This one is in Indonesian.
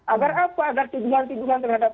agar apa agar tindukan tindukan terhadap